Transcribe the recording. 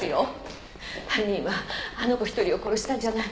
犯人はあの子一人を殺したんじゃない。